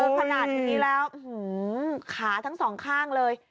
ขนาดนี้แล้วขาทั้งสองข้างเลย